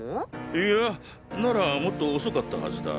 いいやならもっと遅かったはずだ。